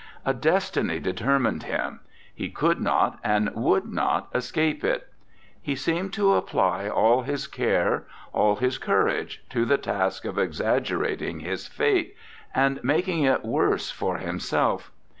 A destiny deter mined him; he could not and would not escape it. He seemed to apply all his care, all his courage to the task of exag gerating his fate, and making it worse for himself.